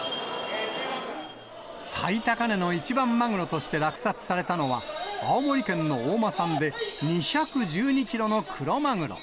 最高値の一番マグロとして落札されたのは、青森県の大間産で、２１２キロのクロマグロ。